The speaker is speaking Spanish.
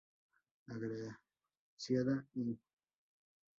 Agraciada y Cno.